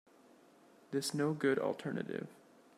This no good alternative.